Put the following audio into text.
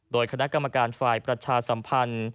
โดยคณะกรรมการฝ่ายประชาสัมพันธ์